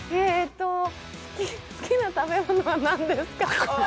好きな食べ物は何ですか。